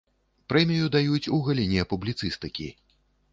Прэмію даюць ў галіне публіцыстыкі.